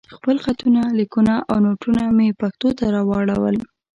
خپل خطونه، ليکونه او نوټونه مې پښتو ته راواړول.